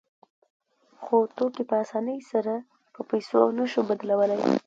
خو توکي په اسانۍ سره په پیسو نشو بدلولی